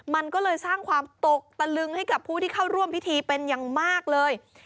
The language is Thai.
มันก็เลยสร้างความตกตะลึงให้กับผู้ที่เข้าร่วมพิธีเป็นอย่างมากเลย